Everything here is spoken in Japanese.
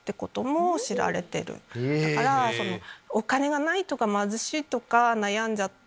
お金がないとか貧しいとか悩んじゃって。